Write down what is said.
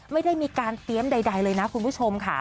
ไม่ได้มีการเตรียมใดเลยนะคุณผู้ชมค่ะ